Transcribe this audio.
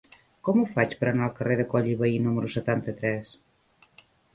Com ho faig per anar al carrer de Coll i Vehí número setanta-tres?